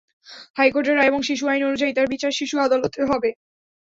হাইকোর্টের রায় এবং শিশু আইন অনুযায়ী তার বিচার শিশু আদালতে হতে হবে।